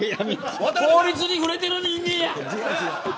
法律に触れてる人間や。